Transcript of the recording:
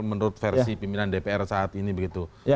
menurut versi pimpinan dpr saat ini begitu